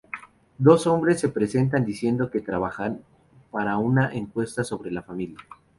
Dos hombres se presentan, diciendo que trabajan para una encuesta sobre la familia.